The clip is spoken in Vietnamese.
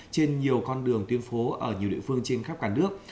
trên nhiều con đường tuyến phố ở nhiều địa phương trên khắp cả nước